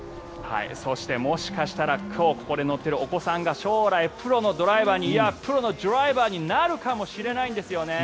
そして、もしかしたら今日ここで乗っているお子さんが将来、プロのドライバーになるかもしれないんですよね。